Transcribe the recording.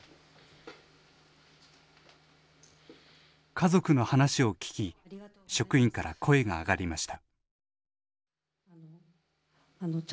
家族の話を聞き職員から声が上がりました。